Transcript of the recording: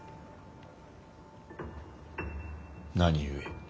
何故。